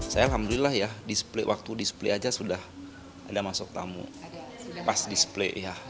saya alhamdulillah ya waktu display aja sudah ada masuk tamu pas display ya